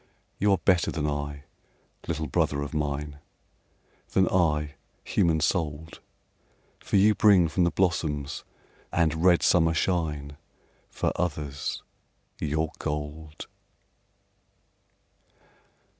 You are better than I, little brother of mine, Than I, human souled, For you bring from the blossoms and red summer shine, For others, your gold.